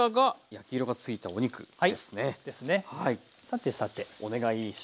さてさてお願いします。